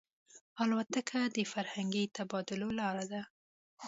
الوتکه د فرهنګي تبادلو لاره ده.